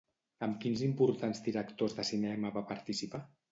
Amb quins importants directors de cinema va participar?